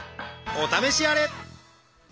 お試しあれ！